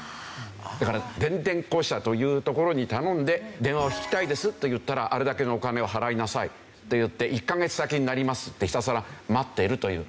だから電電公社というところに頼んで電話を引きたいですといったらあれだけのお金を払いなさいっていって１カ月先になりますってひたすら待っているという。